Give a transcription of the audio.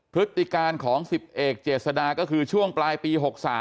พฤติการของ๑๐เอกเจษดาก็คือช่วงปลายปี๖๓